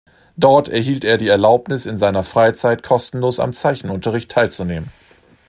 Dort erhielt er die Erlaubnis, in seiner Freizeit kostenlos am Zeichenunterricht teilzunehmen.